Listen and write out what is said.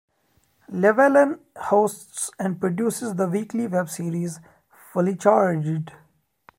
Llewellyn hosts and produces the weekly webseries "Fully Charged".